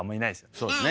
そうですね